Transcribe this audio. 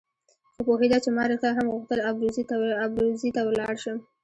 خو پوهېده چې ما رښتیا هم غوښتل ابروزي ته ولاړ شم.